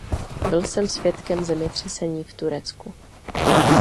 Byl jsem svědkem zemětřesení v Turecku.